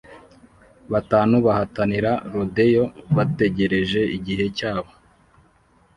Batanu bahatanira rodeo bategereje igihe cyabo